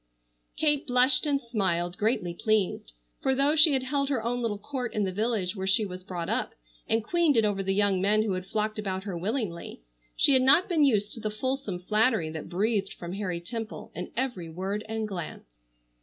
Kate blushed and smiled, greatly pleased, for though she had held her own little court in the village where she was brought up, and queened it over the young men who had flocked about her willingly, she had not been used to the fulsome flattery that breathed from Harry Temple in every word and glance.